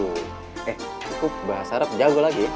eh itu bahasa arab jago lagi